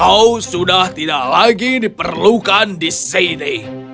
kau sudah tidak lagi diperlukan di sini